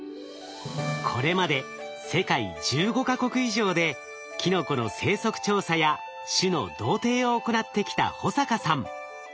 これまで世界１５か国以上でキノコの生息調査や種の同定を行ってきた保坂さん。